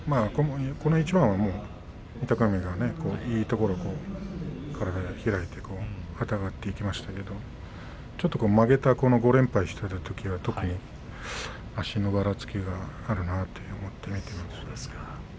この一番は御嶽海がいいところで体を開いてあてがっていきましたけれども負けた５連敗しているときは特に足のばらつきがあるなと思って見ているんです。